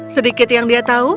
sedikit yang dia tahu